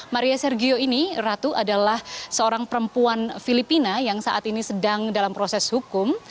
maria sergio ini ratu adalah seorang perempuan filipina yang saat ini sedang dalam proses hukum